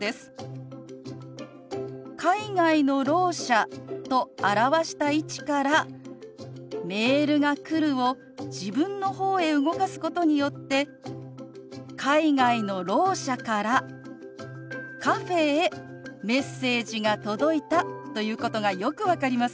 「海外のろう者」と表した位置から「メールが来る」を自分の方へ動かすことによって海外のろう者からカフェへメッセージが届いたということがよく分かりますよね。